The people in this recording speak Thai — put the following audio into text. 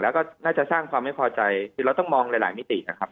แล้วก็น่าจะสร้างความไม่พอใจคือเราต้องมองหลายมิตินะครับ